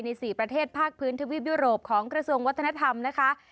๔ประเทศภาคพื้นทวีปยุโรปของกระทรวงวัฒนธรรมนะคะ